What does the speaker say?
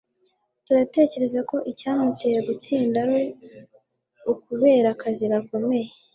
turatekereza ko icyamuteye gutsinda ari ukubera akazi gakomeye